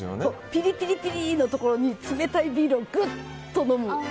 ピリピリのところに冷たいビールをぐっと飲む。